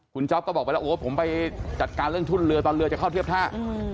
คุณจ๊อปก็บอกไปแล้วโอ้ผมไปจัดการเรื่องทุ่นเรือตอนเรือจะเข้าเทียบท่า